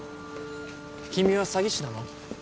君は詐欺師なの？